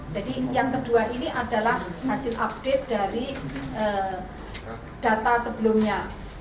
jadi yang kedua ini adalah hasil update dari data sebelumnya